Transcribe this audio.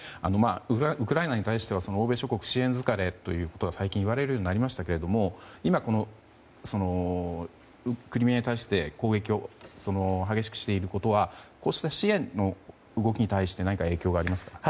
ウクライナに対しては欧米諸国、支援疲れがいわれるようになりましたが今、クリミアに対して攻撃を激しくしていることはこうした支援の動きに対して何か影響がありますか？